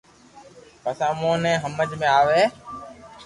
پسو اموني ني ھمج ۾ اوي